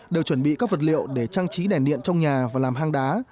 đều chuẩn bị các vật liệu để trang trí đẻ điện trong nhà và làm hang đá